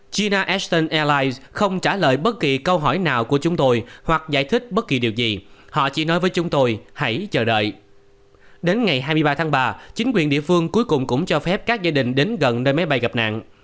đến ngày hai mươi ba tháng ba chính quyền địa phương cuối cùng cũng cho phép các gia đình đến gần nơi máy bay gặp nạn